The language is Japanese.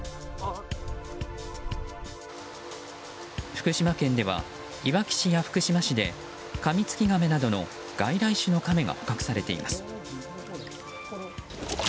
福島県ではいわき市や福島市でカミツキガメなどの外来種のカメが捕獲されています。